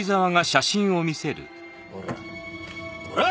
ほら。